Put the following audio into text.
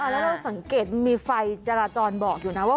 แล้วเราสังเกตมีไฟจราจรบอกอยู่นะว่า